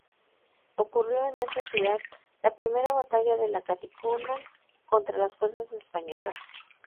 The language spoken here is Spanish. Ocurrió en esta ciudad la primera batalla de la Katipunan contra las fuerzas españolas.